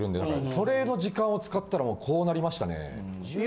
それの時間を使ったらこうなりましたね。